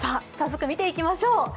早速見ていきましょう。